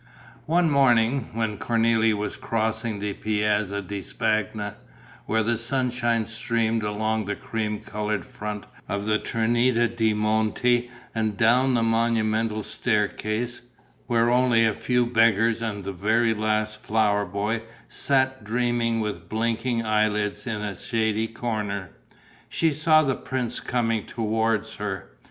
One morning, when Cornélie was crossing the Piazza di Spagna, where the sunshine streamed along the cream coloured front of the Trinita de' Monti and down the monumental staircase, where only a few beggars and the very last flower boy sat dreaming with blinking eye lids in a shady corner, she saw the prince coming towards her.